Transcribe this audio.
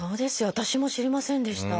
私も知りませんでした。